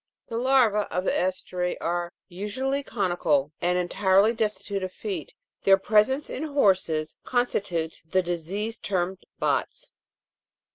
The larvae of the GEstri are usually conical and entirely destitute of feet ; their presence in horses constitutes the disease termed bots.